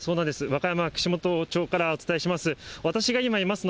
和歌山・串本町からお伝えします。